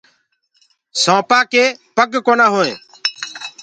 سآنپآ ڪي پگ ڪونآ۔